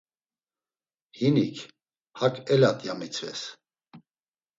Hinik “hak elat” ya mitzves.